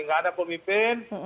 tidak ada pemimpin